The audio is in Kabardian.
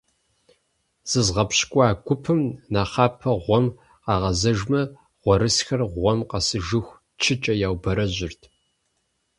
ЗызгъэпщкӀуа гупым нэхъапэ гъуэм къагъэзэжмэ, гъуэрысхэр гъуэм къэсыжыху чыкӀэ яубэрэжьырт.